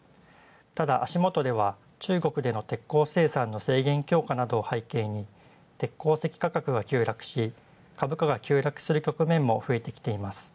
ただ足元では中国での鉄鉱石の強化を背景に、鉄鉱石価格が急落し株価が急落する面も増えてきています。